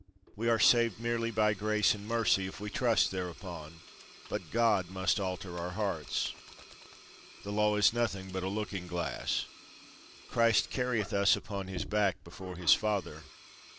We are saved merely by grace and mercy, if we trust thereupon, but God must alter our hearts. The Law is nothing but a looking glass. Christ carrieth us upon his back before his Father.